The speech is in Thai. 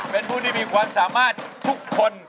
เป็นผู้ที่มีความสามารถทุกคน